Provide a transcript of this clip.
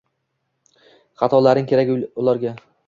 Xatolaring kerak ularga